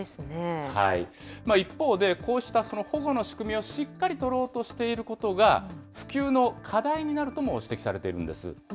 一方で、こうした保護の仕組みをしっかり取ろうとしていることが、普及の課題になるとも指摘されているんです。